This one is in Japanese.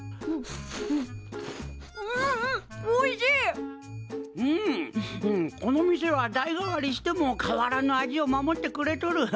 うんうんこの店は代がわりしても変わらぬ味を守ってくれとる。